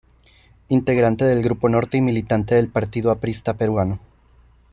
Integrante del Grupo Norte y militante del Partido Aprista Peruano.